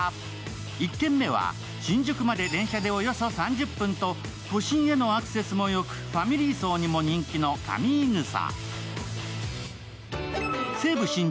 １軒目は、新宿まで電車でおよそ３０分と都心へのアクセスもよくファミリー層にも人気の上井草。